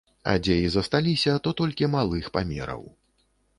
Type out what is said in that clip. А дзе і засталіся, то толькі малых памераў.